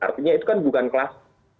artinya itu kan bukan kelas